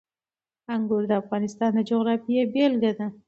انګور د افغانستان د جغرافیې بېلګه ده.